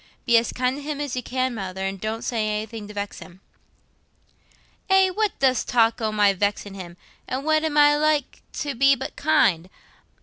Be as kind to him as you can, Mother, and don't say anything to vex him." "Eh, what dost talk o' my vexin' him? An' what am I like to be but kind?